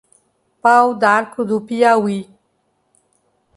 Pau d'Arco do Piauí